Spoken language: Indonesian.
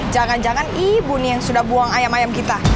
jangan jangan ibu nih yang sudah buang ayam ayam kita